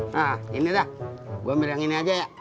nah ini dah gue ambil yang ini aja ya